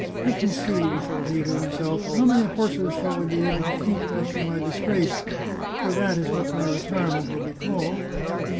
" Let me see," thought he to himself, " how many horses shall we be able to keep after my disgrace, for that is what my retirement will be called